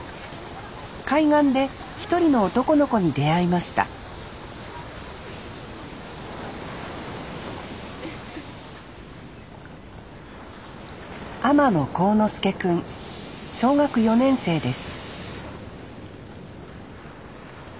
海岸で一人の男の子に出会いました小学４年生です